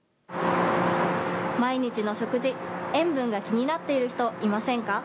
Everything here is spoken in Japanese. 毎日の食事塩分が気になっている人いませんか。